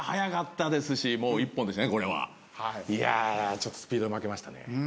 ちょっとスピード負けましたね。